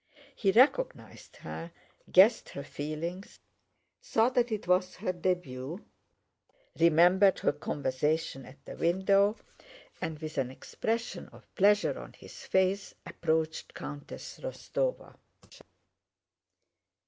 He recognized her, guessed her feelings, saw that it was her début, remembered her conversation at the window, and with an expression of pleasure on his face approached Countess Rostóva.